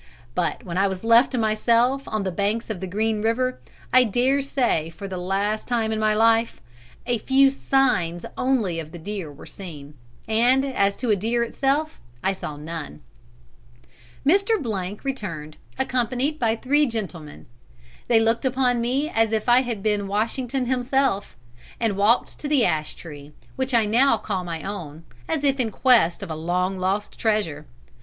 But when I was left to myself on the banks of Green River, I daresay for the last time in my life, a few signs only of the deer were seen, and as to a deer itself I saw none. "'Mr. returned, accompanied by three gentlemen. They looked upon me as if I had been Washington himself, and walked to the ash tree, which I now called my own, as if in quest of a long lost treasure.